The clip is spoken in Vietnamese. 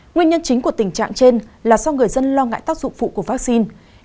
nguyên nhân chính của tình trạng trên là do người dân lo ngại tác dụng phụ của vaccine